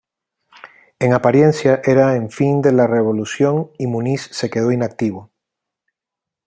En apariencia era en fin de la revolución y Muniz se quedó inactivo.